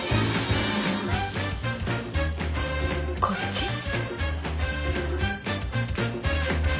こっち？